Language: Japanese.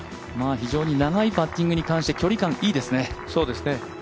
非常に長いパッティングに関して距離感いいですね。